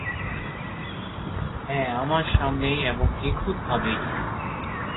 হ্যাঁ আমার সামনেই এবং নিখুঁতভাবেই।